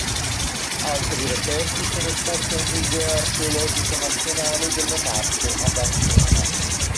Altri reperti sono esposti al Museo archeologico nazionale delle Marche ad Ancona.